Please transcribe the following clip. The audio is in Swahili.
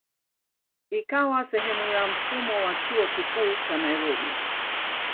Ikawa sehemu ya mfumo wa Chuo Kikuu cha Nairobi.